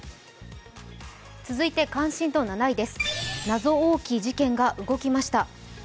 続いて関心度７位です謎多き事件が動きました。